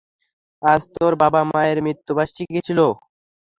আজ তোর বাবা-মায়ের মৃত্যুবার্ষিকী ছিল।